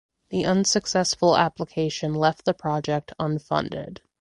The unsuccessful application left the project unfunded.